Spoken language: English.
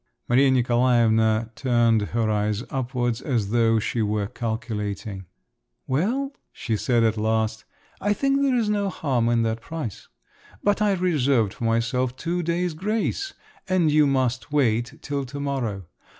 Maria Nikolaevna turned her eyes upwards as though she were calculating. "Well?" she said at last. "I think there's no harm in that price. But I reserved for myself two days' grace, and you must wait till to morrow.